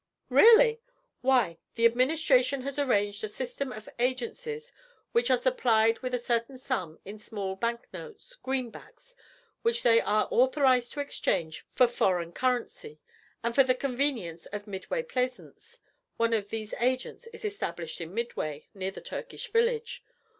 'Really! Why, the administration has arranged a system of agencies which are supplied with a certain sum in small bank notes, greenbacks, which they are authorized to exchange for foreign currency; and, for the convenience of Midway Plaisance, one of these agents is established in Midway, near the Turkish Village.